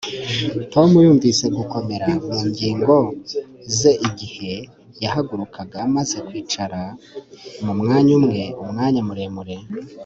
Tom yumvise gukomera mu ngingo ze igihe yahagurukaga amaze kwicara mu mwanya umwe umwanya muremure